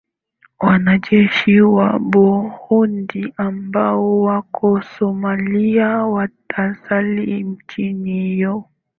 wanajeshi wa burudi ambao wako somalia watasalia nchini humo